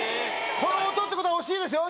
この音ってことは惜しいですよ